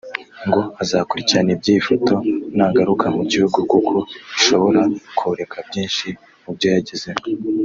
ngo azakurikirana iby’iyi foto nagaruka mu gihugu kuko ishobora koreka byinshi mu byo yagezeho